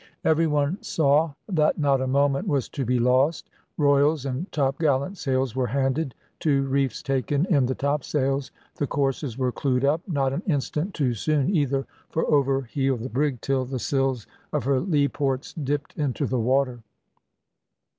Every one saw that not a moment was to be lost. Royals and topgallant sails were handed, two reefs taken in the topsails, the courses were clewed up, not an instant too soon, either for over heeled the brig till the sills of her lee ports dipped into the water.